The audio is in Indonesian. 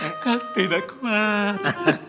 gak kuat gak tidak kuat